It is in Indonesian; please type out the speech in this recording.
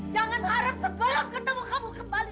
jangan harap sekolah ketemu kamu kembali